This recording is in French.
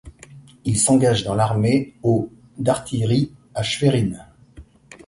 Il s'engage dans l'armée au d'artillerie à Schwerin.